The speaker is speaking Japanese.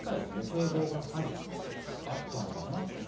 堤防があったのかな。